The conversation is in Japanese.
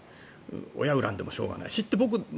親を恨んでもしょうがないしって。